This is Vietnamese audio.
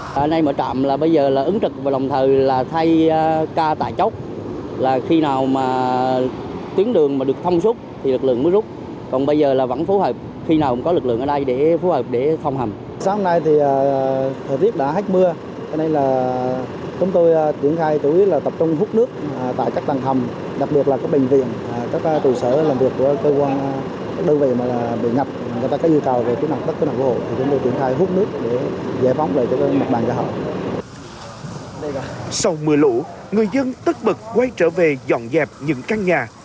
sau mưa lũ người dân tất bực quay trở về dọn dẹp những căn nhà